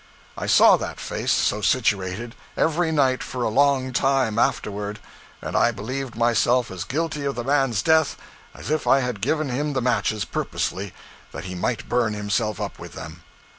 I saw that face, so situated, every night for a long time afterward; and I believed myself as guilty of the man's death as if I had given him the matches purposely that he might burn himself up with them.